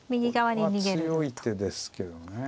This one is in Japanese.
これは強い手ですけどね。